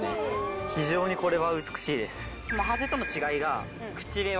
非常にこれは美しいです。